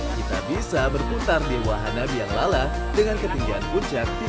kita bisa berputar di wahana biang lala dengan ketinggian puncak tiga puluh lima meter